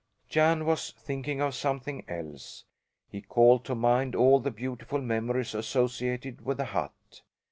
Jan was thinking of something else. He called to mind all the beautiful memories associated with the hut.